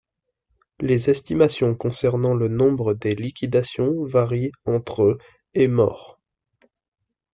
Les estimations concernant le nombre des liquidations varient entre et morts.